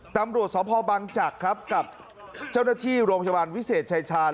ตำรวจสพบังจักรครับกับเจ้าหน้าที่โรงพยาบาลวิเศษชายชาญ